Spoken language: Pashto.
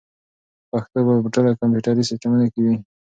پښتو به په ټولو کمپیوټري سیسټمونو کې وي.